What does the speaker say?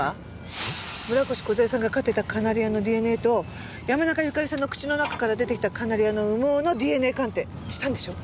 村越梢さんが飼っていたカナリアのＤＮＡと山中由佳里さんの口の中から出てきたカナリアの羽毛のＤＮＡ鑑定したんでしょ？